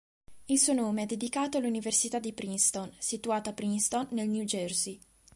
Il suo nome è dedicato all'Università di Princeton, situata a Princeton nel New Jersey.